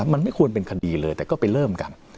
มันไม่ควรเป็นคดีเลยแต่ก็ไปเริ่มกัน